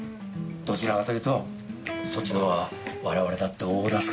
どちらかというとそっちのほうが我々だって大助かりなんですから。